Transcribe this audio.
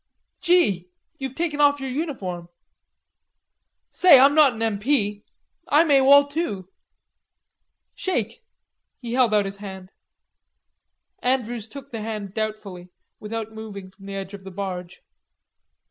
"Gee! You've taken off your uniform.... Say, I'm not an M.P. I'm A.W.O.L. too. Shake." He held out his hand. Andrews took the hand doubtfully, without moving from the edge of the barge.